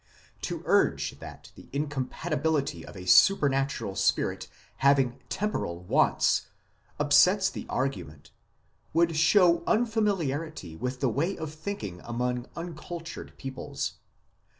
To urge that the incompatibility of a supernatural spirit having temporal wants upsets the argument would show unfamiliarity with the way of thinking among uncultured peoples.